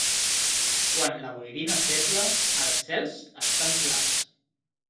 Quan la boirina és feble, els cels estan clars.